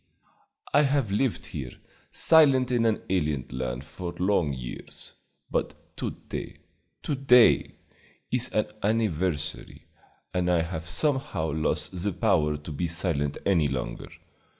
I have lived here silent in an alien land for long years; but to day to day is an anniversary, and I have somehow lost the power to be silent any longer.